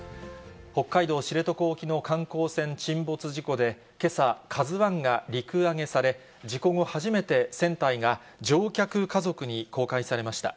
北海道知床沖の観光船沈没事故でけさ、ＫＡＺＵＩが陸揚げされ、事故後初めて船体が乗客家族に公開されました。